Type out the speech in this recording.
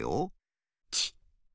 チッ！